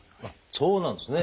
そうなんですね。